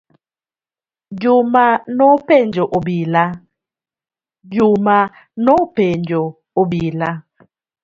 Juma nopenjo obila.